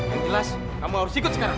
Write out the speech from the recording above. yang jelas kamu harus ikut sekarang